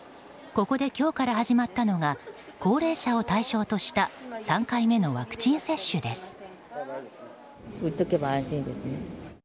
ここで今日から始まったのが高齢者を対象とした３回目のワクチン接種です。